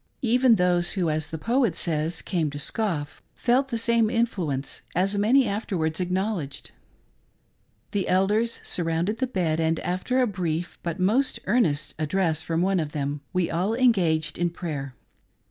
Eyen those who, as the poet says, came to scoff, felt the same influence, as many afterwards acknowl edged. The elders surrounded the bed, and after a brief but most earnest address from one of them, we all engaged in prayer.